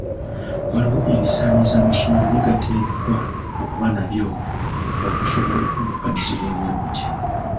Waliwo ebisaanyizo amasomero bye gateekwa okuba nabyo okusobola okuddukanyizibwa obulungi.